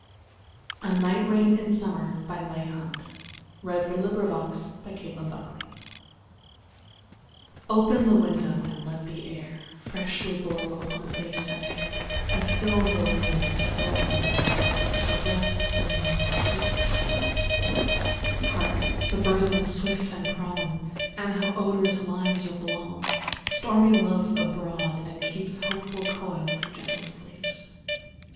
Note: To "keep coil" (in lines 7 8} means to create a noisy disturbance. Nelson] OPEN the window, and let the air Freshly blow upon face and hair, And fill the room, as it fills the night, With the breath of the rain's sweet might. Hark! the burthen, swift and prone! And how the odorous limes are blown! Stormy Love's abroad, and keeps Hopeful coil for gentle sleeps.